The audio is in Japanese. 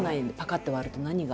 ッて割ると何が。